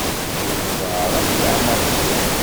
Yiwen n waɛṛab yeɛmeṛ ssuq.